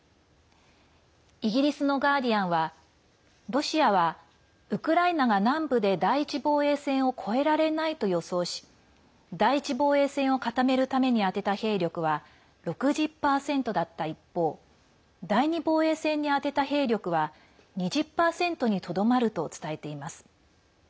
イギリスのガーディアンはロシアはウクライナが南部で第１防衛線を越えられないと予想し第１防衛線を固めるために充てた兵力は６０％だった一方第２防衛線に充てた兵力は２０％にとどまると伝えています。